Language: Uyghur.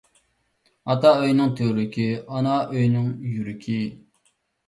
ئاتا ئۆينىڭ تۈۋرۈكى، ئانا ئۆينىڭ يۈرىكى.